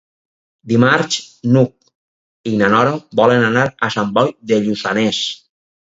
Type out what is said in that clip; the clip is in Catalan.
Dimarts n'Hug i na Nora volen anar a Sant Boi de Lluçanès.